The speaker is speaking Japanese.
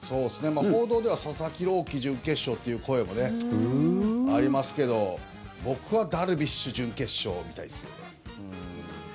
報道では佐々木朗希準決勝という声もありますけど僕はダルビッシュ、準決勝見たいですけどね。